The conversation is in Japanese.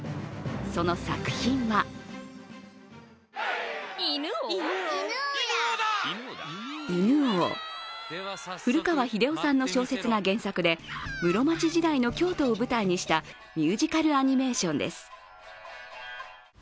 その作品は「犬王」古川日出男さんの小説が原作で室町時代の京都を舞台にしたミュージカルアニメーションです。